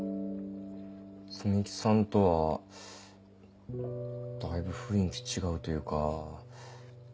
摘木さんとはだいぶ雰囲気違うというか。